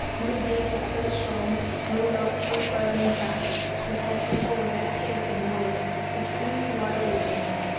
No gate was so strong, no lock so firm and fast, but that before that piercing noise it flew wide open.